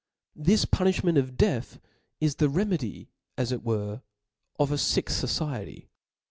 This puniflimentof death is the reme dy, as it were, of a fick fociety.